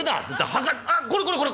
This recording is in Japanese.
「墓あこれこれこれ！